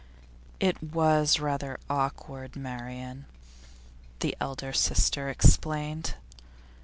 'It was rather awkward, Marian,' the elder sister explained.